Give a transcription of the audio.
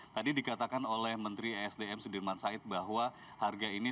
tadi dikatakan oleh menteri esdm sudirman said bahwa harga ini